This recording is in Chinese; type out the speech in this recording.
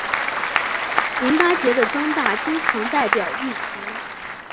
淋巴结的增大经常代表异常。